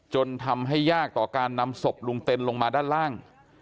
จนทำให้ยากต่อการนำศพลุงเต็นลงมาด้านล่าง